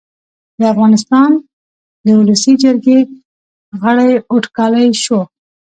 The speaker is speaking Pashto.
د افغانستان د اولسي جرګې غړی اوټاکلی شو